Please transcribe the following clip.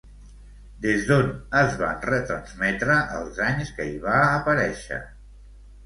Des d'on es van retransmetre els anys que hi va aparèixer?